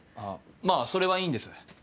まあそれはいいんです。